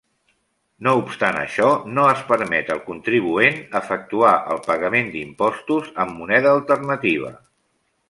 No obstant això, no es permet al contribuent efectuar el pagament d'impostos amb moneda alternativa.